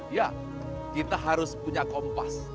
ya kita harus punya kompas